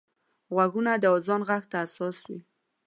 غوږونه د اذان غږ ته حساس وي